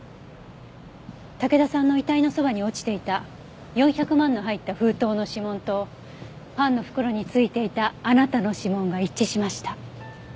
武田さんの遺体のそばに落ちていた４００万の入った封筒の指紋とパンの袋についていたあなたの指紋が一致しました。